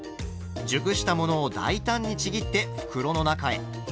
熟したものを大胆にちぎって袋の中へ。